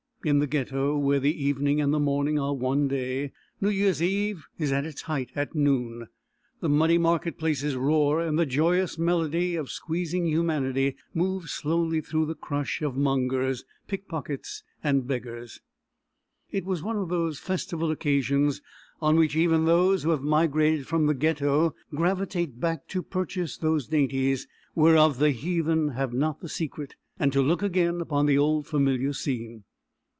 In the Ghetto, where "the evening and the morning are one day," New Year's Eve is at its height at noon. The muddy market places roar, and the joyous medley of squeezing humanity moves slowly through the crush of mongers, pickpockets, and beggars. It is one of those festival occasions on which even those who have migrated from the Ghetto gravitate back to purchase those dainties whereof the heathen have not the secret, and to look again upon the old familiar scene.